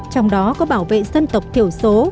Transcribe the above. trong đó có bảo vệ dân tộc thiểu số